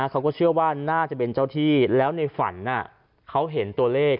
เขาก็เชื่อว่าน่าจะเป็นเจ้าที่แล้วในฝันเขาเห็นตัวเลข